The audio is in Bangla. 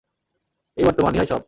এই বর্তমান, ইহাই সব।